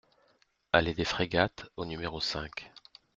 Allée des Frégates au numéro cinq